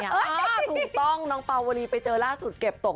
ถูกต้องน้องปาวลีไปเจอล่าสุดเก็บตก